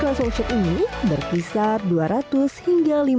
mungkin karena aku suka fashion aku pengen yang ada di dunia fashion lagi mungkin